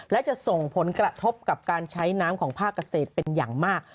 และจะส่งผลกระทบกับการใช้น้ำของภาคเกษตรเป็นอย่างมาก